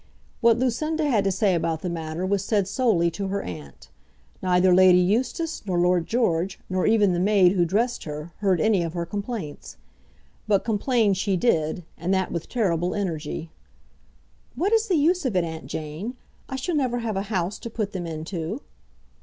What Lucinda had to say about the matter was said solely to her aunt. Neither Lady Eustace, nor Lord George, nor even the maid who dressed her, heard any of her complaints. But complain she did, and that with terrible energy. "What is the use of it, Aunt Jane? I shall never have a house to put them into."